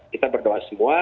kita berdoa semua